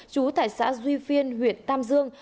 chú tại xã duy phiên huyện tam dương